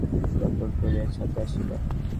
এমন সময় ললিতা তাহার রাত্রির কাপড় পরিয়া ছাতে আসিল।